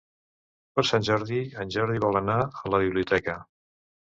Per Sant Jordi en Jordi vol anar a la biblioteca.